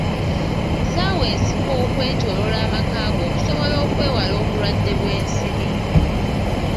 Ssaawa ensiko okwetoloola amaka go okusobola okwewala obulwadde bw'ensiri.